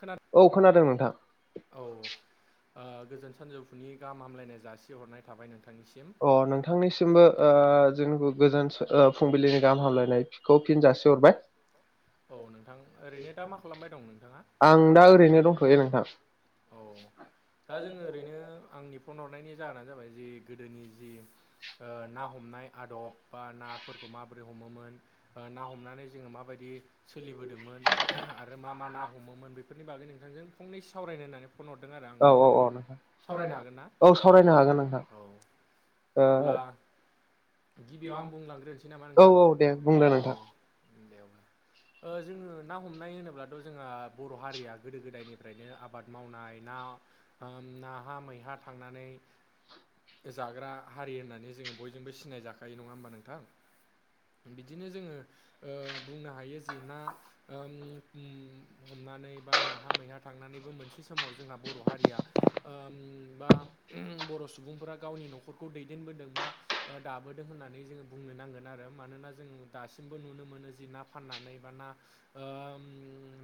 खोनादों। औ खोनादों नोंथां। औ ओ गोजोन सानजौफुनि गाहाम हामलायनाय जासिहरनाय थाबाय नोंथांनिसिम। अ नोंथांनिसिमबो ओ जोंखौ गोजोन ओ फुंबिलिनि गाहाम हामलायनाय खौ फिन जासिहरबाय। औ नोंथां ओरैनो दा मा खालामबाय दं नोंथाङा? आं दा ओरैनो दंथ'यो नोंथां। औ [inaudible] दा जोङो ओरैनो आंनि फन हरनायनि जाहोनानो जाबाय जि गोदोनि जि ओ ना हमनाय आदब बा नाफोरखौ माबोरै हमोमोन आ ना हमनानै जोङो माबायदि सोलिबोदोंमोन आरो मा मा ना हमोमोन बेफोरनि बागै नोंथांजों फंनैसो सावरायनो होननानै फन हरदों आरो औ आङो औ औ नोंथां सावरायनो हागोन ना? औ सावरायनो हागोन नोंथां अब्ला गिबियाव आं बुंलांग्रोनोसै नामा ओ औ नोंथां। औ दे बुंदो नोंथां [unintelligible] ओ जोङो ना हमनाय होनोब्लाथ' जोंहा बर' हारिया गोदो गोदायनिफ्रायनो आब आबाद मावनाय ना नाहा मैहा थांनानै जाग्रा हारि होननानै जोङो बयजोंबो सिनायजाखायो नङा होमबा नोंथां? बिदिनो जोङो ओ बुंनो हायो जि ना ओम उम हमनानै बा नाहा मैहा थांनानैबो मोनो। मोनसे समाव जोंहा बर' हारिया ओम बा बर' सुबुंफोरा गावनि न'खरखौ दैदेनबोदों बा दाबोदों होननानै जोङो बुंनो नांगोन आरो मानोना जों दासिमबो नुनो मोनो जि ना फाननानै बा ना ओम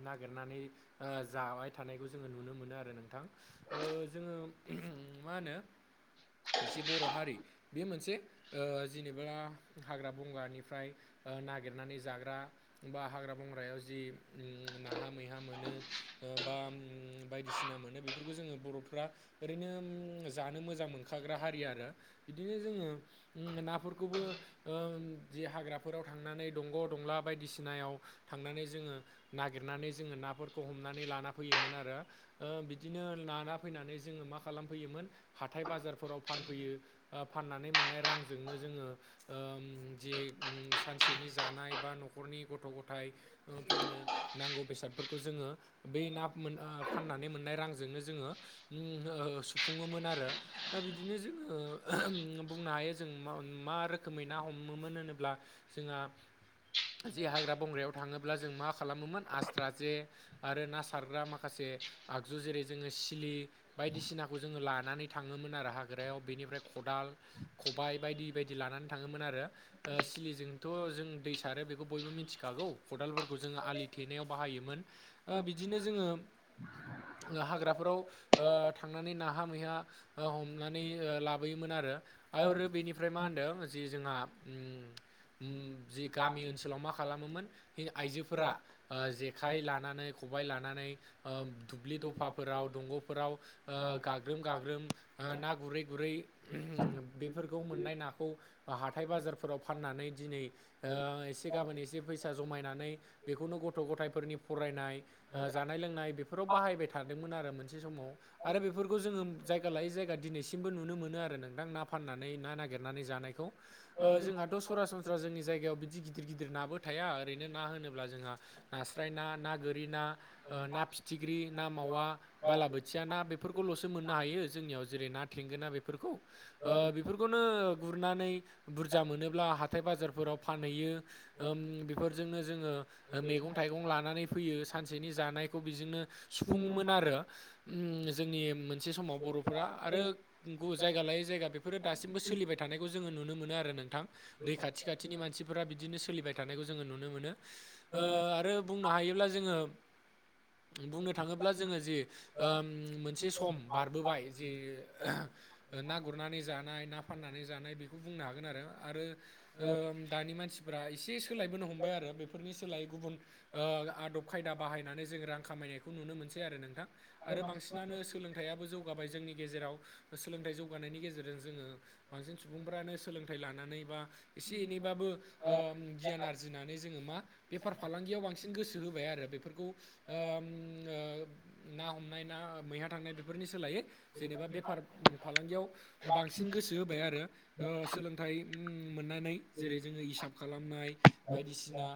नागिरनानै ओ जाबाय थानायखौ जोङो नुनो मोनो आरो नोंथां ओ जोङो मा होनो जि बर' हारि बे मोनसे ओ जेनेबा हाग्रा बंगानिफ्राय ओ नागिरनानै जाग्रा बा हाग्रा बंग्रायाव जि ओम नाहा मैहा मोनो बा ओम बायदिसिना मोनो बेफोरखौ जोङो बर'फ्रा ओरैनो ओम जानो मोजां मोनखाग्रा हारि आरो बिदिनो जोङो नाफोरखौबो ओम जि हाग्राफोराव थांनानै दंग' दंला बायदिसिनायाव थांनानै जोङो नागिरनानै जोङो नाफोरखौ हमनानै लाना फैयोमोन आरो। ओ बिदिनो लाना फैनानै जोङो मा खालामफैयोमोन हाथाय बाजारफोराव फानफैयो ओ फाननानै मोननाय रांजोंनो जोङो ओम जि सानसेनि जानाय बा न'खरनि गथ' गथ ओमफ्राय ओफोरनो नांगौ बेसादफोरखौ जोङो बै नाप मोन ओ फाननानै मोननाय रांजोंनो जोङो ओम ओ ओ सुफुङोमोन आरो। दा बिदिनो जोङो बुंनो हायो जों मा मा रोखोमै ना हमोमोन होनोब्ला जोंहा जे हाग्रा बंग्रायाव थाङोब्ला जों मा खालामोमोन आस्रा जे आरो ना सारग्रा मा खासे आगजु जेरै जोङो सिलि बायदिसिनाखौ जोङो लानानै थाङोमोन आरो हाग्रायाव बेनिफ्राय खदाल खबाइ बायदि बायदि लानानै थाङोमोन आरो ओ सिलिजोंथ' जों दै सारो बेखौ बयबो मिथि खागौ खदालफोरखौ जोङो आलि थेनायाव बाहायोमोन बिदिनो जोङो हाग्राफोराव ओ थांनानै नाहा मैहा ओ हमनानै लाबोयोमोन आरो। आरो बेनिफ्राय मा होनदों जे जोंहा ओम ओम जि गामि ओनसोलाव मा खालामोमोन फिन आइजोफोरा ओ जेखाइ लानानै खबाइ लानानै दुब्लि दफाफोराव दंग'फोराव गाग्रोम गाग्रोम ना गुरै गुरै बेफोरखौ मोननाय नाखौ हाथाय बाजारफोराव फाननानै दिनै एसे गाबोन एसे फैसा जमायनानै बेखौनो गथ' गथायफोरनि फरायनाय जानाय लोंनाय बेफोराव बाहायबाय थादोंमोन आरो मोनसे समाव आरो बेफोरखौ जोङो जायगा लायै जायगा दिनैसिमबो नुनो मोनो आरो नोंथां ना फाननानै ना नागिरनानै जानाय जोंहाथ' सरासनस्रा स्रा जोंनि जायगायाव बिदि गिदिर गिदिर नाबो थाया ओरैनो ना होनोब्ला जोंहा नास्राय ना ना गोरि ना ना फिथिख्रि ना मावा बालाबोथिया ना बेफोरखौल'सो मोननो हायो जोंनियाव जेरै ना थेंगोना बेफोरखौ बेफोरखौनो गुरनानै बुरजा मोनोब्ला हाथाय बाजारफोराव फानहैयो बेफोरजोंनो जोङो मैगं थाइगं लानानै फैयो सानसेनि जानाय बेजोंनो सुफुङोमोन आरो उम जोंनि मोनसे समाव बर'फोरा आरो गु जायगा लायै जायगा बेफोरो दासिमबो सोलिबाय थानायखौ जोङो नुनो मोनो आरो नोंथां दै खाथि खाथिनि मानसिफोरा बिदिनो सोलिबाय थ थानायखौ जोङो नुनो मोनो आरो बुंनो हायोब्ला जोङो बुंनो थाङोब्ला जोङो जे मोनसे सम बारबोबाय जे ना गुरनानै जानाय ना फाननानै जानाय बेखौ बुंनो हागोन आरो आरो दानि मानसिफोरा एसे सोलायबोनो हमबाय आरो बेफोरनि सोलायै गुबुन आदब खायदा बाहायनानै जों रां खामायनायखौ नुनो मोनसै आरो नोंथां आरो बांसिनानो सोलोंथाइयाबो जौगाबाय जोंनि गेजेराव सोलोंथाइ जौगानायनि गेजेरजों जोङो बांसिन सुबुंफोरानो सोलोंथाइ लानानै बा एसे एनैबाबो गियान आरजिनानै जोङो मा बेफार फालांगियाव बांसिन गोसो होबाय आरो बेफोरखौ ओम ओ ना हमनाय ना मैहा थांनाय बेफोरनि सोलायै जेनेबा बेफार फालांगियाव बांसिन गोसो होबाय आरो सोलोंथाइ मोननानै जेरै जोङो हिसाब खालामनाय बायदिसिना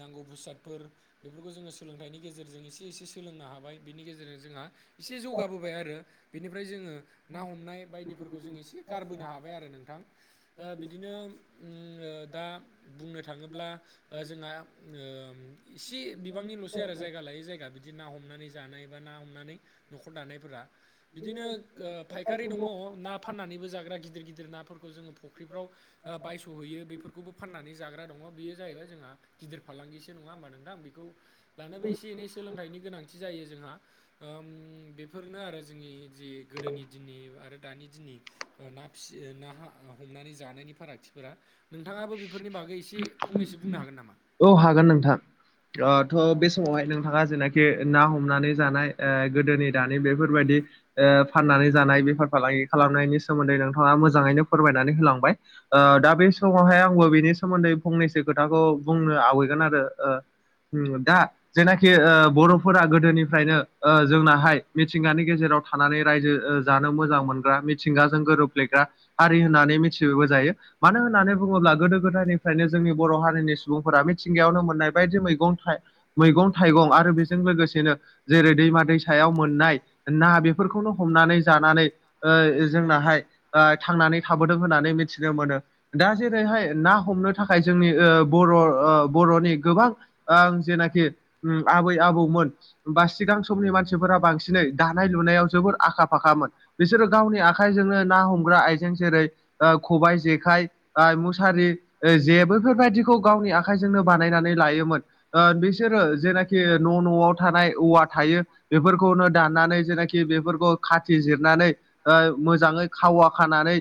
नांगौ भुसादफोर बेफोरखौ जोङो सोलोंथाइनि गेजेरजों एसे एसे सोलोंनो हाबाय बिनि गेजेरजों जोंहा एसे जौगाबोबाय आरो बेनिफ्राय जोङो ना हमनाय बायदिफोरखौ जों एसे गारबोनो हाबाय आरो नोंथां बिदिनो उम दा बुंनो थाङोब्ला जोंहा ओ इसे बिबांनिल'स जायगा लायै जायगा बिदि ना हमनानै जानाय बा ना हमनानै न'खर दानायफोरा बिदिनो फायखारि दङ ना फाननानैबो जाग्रा गिदिर गिदिर नाफोरखौ जोङो फुख्रिफ्राव बायस'हैयो बेफोरखौबो फाननानै जाग्रा दङ बेयो जाहैबाय जोंहा गिदिर फालांगिसो नङा होम्बा नोंथां बेखौ लानोबो एसे एनै सोलोंथाइनि गोनांथि जायो जोंहा बेफोरनो आरो जोंनि जि गोदोनि दिननि आरो दानि दिननि ना फियो ना हमनानै जानायनि फारागथिफोरा नोंथाङाबो बेफोरनि बागै एसे फंनैसो बुंनो हागोन नामा औ हागोन नोंथां। थ' बे समावहाय नोंथाङा जेनाखि ना हमनानै जानाय गोदोनि दानि बेफोरबायदि फाननानै जानाय बेफार फालांगि खालामनायनि सोमोन्दै नोंथाङा मोजाङैनो फोरमायनानै होलांबाय ओ‌ दा बे समावहाय आंबो बिनि सोमोन्दै फंनैसो खोथाखौ बुंनो आवगगोन आरो दा जेनाखि बर'फोरा गोदोनिफ्रायनो ओ जोंनाहाय मिथिंगानि गेजेराव थानानै ओ रायजो जानो मोजां मोनग्रा मिथिंगाजों गोरोब्लेग्रा हारि होननानै मिथिबो जायो मानो होननानै बुङोब्ला गोदो गोदायनिफ्रायनो जोंनि बर' हारिनि सुबुंफोरा मिथिंगायावनो मोननाय बायदि मैगं थाइ मैगं थाइगं आरो बेजों लोगोसेनो जेरै दैमा दैसायाव मोननाय ना बेफोरखौनो हमनानै जानानै जोंनाहाय। थांनानै थाबोदों होननानै मिथिनो मोनो दा जेरैहाय ना हमनो थाखाय जोंनि ओ बर' ओ बर'नि गोबांं आं जेनाखि आबै आबौमोन बा सिगां समनि मानसिफोरा बांसिनै दानाय लुनायाव जोबोर आखा फाखामोन बिसोरो गावनि आखाइजोंनो ना हमग्रा आइजें जेरै ओ खबाय जेखाय मुसारि ओ जे बैफोरबायदि खौ गावनि आखाइजोंनो बानायनानै लायोमोन। ओ बिसोरो जेनाखि न' न'आव थानाय औवा थायो। बेफोरखौनो दाननानै जेनाखि बेफोरखौ खाथि जिरनानै ओ मोजाङै खावा खानानै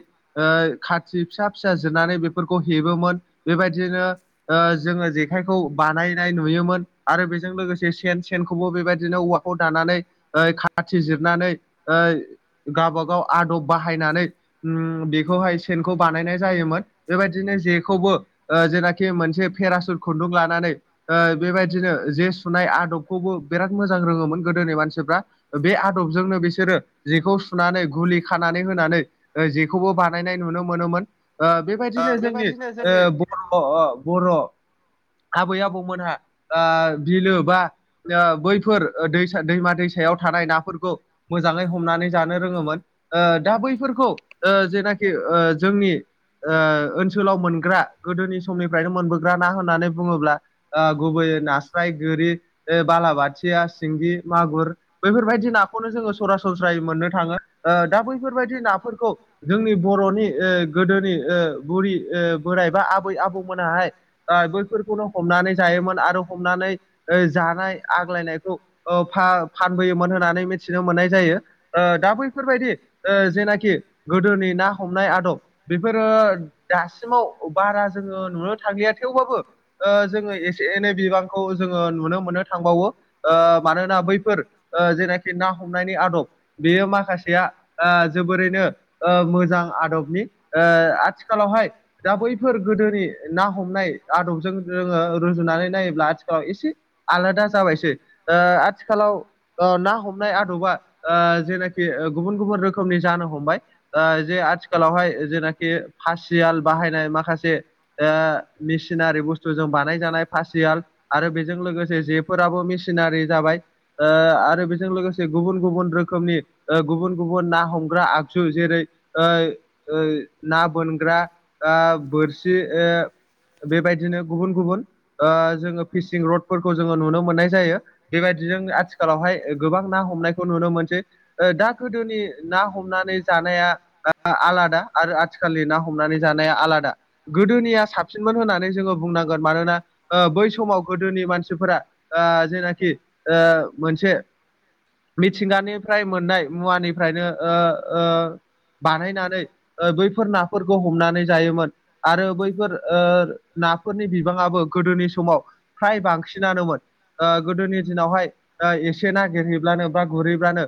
खाथि फिसा फिसा जिरनानै बेफोरखौ हेबोमोन बेबायदिनो जोङो जेखाइखौ बानायनाय नुयोमोन आरो बेजों लोगोसे सेन सेनखौबो बेबायदिनो खौ दानानै ओ खाथि जिरनानै गाबा गाव आदब बाहायनानै उम बेखौहाय सेनखौ बानायनाय जायोमोन बेबायदिनो जेखौबो ओ जेनाखि खि मोनसे पेरासुट खुन्दुं लानानै बेबायदिनो जे सुनाय आदबखौबो बिराद मोजां रोङोमोन गोदोनि मानसिफ्रा बे आदबजोंनो बिसोरो जेखौ सुनानै गुलि खानानै होनानै ओ जेखौबो बानायनाय नुनो मोनोमोन ओ ओ बेबायदिनो जोंनि बेबायदिनो ओ जोंनि बर' ओ बर' आबै आबौमोनहा ओ बिलो बा ओ बैफोर ओ दै दैमा दैसायाव थानाय नाफोरखौ मोजाङै हमनानै जानो रोङोमोन। दा बैफोरखौ जेनाखि ओ जोंनि ओनसोलाव मोनग्रा गोदोनि समनिफ्रायनो मोनबोग्रा ना होननानै बुङोब्ला ओ गुबैयै नास्राय गोरि ओ बालाबाथिया सिंगि मागुर बैफोरबायदि नाखौनो जोङो सरासनस्रायै मोननो थाङो ओ दा बैफोरबायदि नाफोरखौ जोंनि बर'नि ओ गोदोनि ओ बुरि बोराइ बा आबै आबौ [unintelligible] ओ बैफोरखौनो हमनानै जायोमोन आरो हमनानै ओ जानाय आग्लायनायखौ ओ फा-फानबोयोमोन होननानै मिथिनो मोननाय जायो। ओ दा बैफोरबायदि ओ जेनाखि गोदोनि ना हमनाय आदब बेफोरो दासिमाव बारा जोङो नुनो थांलिया थेवबाबो जोङो एसे एनै बिबांखौ जोङो नुनो मोननो थांबावो। ओ मानोना बैफोर ओ‌ जेनाखि ना हमनायनि आदब। बेयो माखासेया जोबोरैनो ओ‌ मोजां आदबनि ओ आथिखालावहाय दा बैफोर गोदोनि ना हमनाय आदबजों जोङो रुजुनानै नायोब्ला आथिखालाव एसे आलादा जाबायसै ओ आथिखालाव ना हमनाय आदबा ओ जेनाखि गुबुन गुबुन रोखोमनि जानो हमबाय। ओ जे आथिखालावहाय जेनाखि फासियाल बाहायनाय माखासे ओ मेसिनारि बुस्थु जों बानायजानाय पासियाल आरो बेजों लोगोसे जेफोराबो मेसिनारि जाबाय। ओ आरो बेजों लोगोसे गुबुन गुबुन रोखोमनि ओ गुबुन गुबुन ना हमग्रा आगजु जेरै ओ ना बोनग्रा ओ बोरसि ओ बेबायदिनो गुबुन गुबुन ओ जोङो फिसिं रडफोरखौ जोङो नुनो मोननाय जायो। बेबायदिनो आथिखालावहाय गोबां ना हमनायखौ नुनो मोनसै दा गोदोनि ना हमनानै जानाया आलादा आरो आथिखालनि ना हमनानै जानाया आलादा। गोदोनिया साबसिनमोन होननानै जोङो बुंनांगोन मानोना ओ बै समाव गोदोनि मानसिफोरा ओ जेनाखि ओ मोनसे मिथिंगानिफ्राय मोननाय मुवानिफ्रायनो ओ ओ बानायनानै ओ‌ बैफोर नाफोरखौ हमनानै जायोमोन आरो बैफोर ओ नाफोरनि बिबाङाबो गोदोनि समाव फ्राय बांसिनानोमोन गोदोनि दिनावहाय एसे नागिरहैब्लानो बा गुरहैब्लानो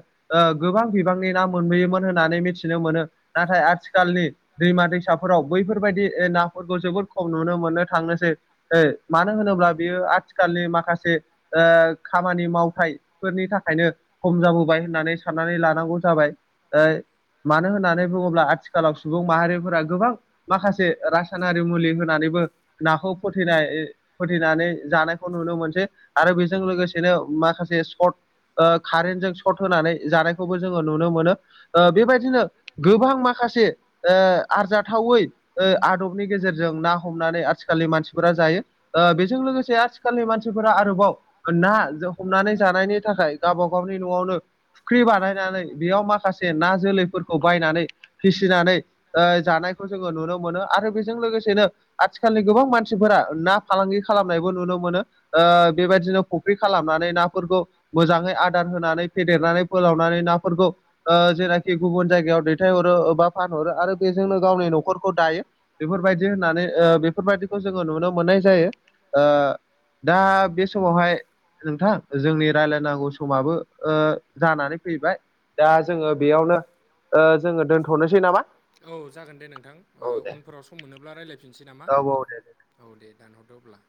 गोबां बिबांनि ना मोनबोयोमोन होननानै मिथिनो मोनो नाथाय आथिखालनि दैमा दैसाफोराव बैफोरबायदि नाफोरखौ जोबोद खम नुनो मोननो थांनोसै। ओ मानो होनोब्ला बेयो आथिखालनि माखासे ओ खामानि मावथफोरनि थाखायनो खम जाबोबाय होननानै साननानै लानांगौ जाबाय ओ मानो होननानै बुङोब्ला आथिखालाव सुबुं माहारिफोरा गोबां माखासे रासायनारि मुलि होनानैबो नाखौ फोथैनाय फोथैनानै जानायखौ नुनो मोनसै आरो बेजों लोगोसेनो माखासे सर्ट ओ कारेन्ट जों सर्ट होनानै जानायखौबो जोङो नुनो मोनो ओ‌ बेबायदिनो गोबां माखासे ओ आरजाथावै आदबनि गेजेरजों ना हमनानै आथिखालनि मानसिफोरा जायो। ओ‌ बेजों लोगोसे आथिखालनि मानसिफोरा आरोबाव होनना हमनानै जानायनि थाखाय गावबा गावनि नआवनो फुख्रि बानायनानै बेयाव माखासे ना जोलैफोरखौ बायनानै फिसिनानै ओ जानायखौ जोङो नुनो मोनो मोनो आरो बेजों लोगोसेनो आथिखालनि गोबां मानसिफोरा ना फालांगि खालामनायबो नुनो मोनो। ओ बेबायदिनो फुख्रि खालामनानै नाफोरखौ मोजाङै आदार होनानै फेदेरनानै फोलावनानै नाफोरखौ ओ जेनाखि गुबुन जायगायाव दैथायहरो बा फानहरो आरो बेजोंनो गावनि नखरखौ खौ दायो बेफोरबायदि होननानै ओ बेफोरबायदिखौ जोङो नुनो मोननाय जायो ओ दा बे समावहाय नोंथां जोंनि राय्लायनांगौ समाबो ओजानानै फैबाय दा जोङो बेयावनो जोङो दोनथनोसै नामा औ जागोन दे नोंथां ओ औ दे उनफोराव सम मोनोब्ला रायज्लायफिनसै नामा? औ औ दे औ दे दानहरदो अब्ला।